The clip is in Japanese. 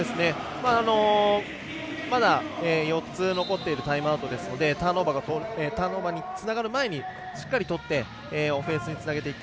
まだ４つ残っているタイムアウトですのでターンオーバーにつながる前にしっかりとって、オフェンスにつなげていく。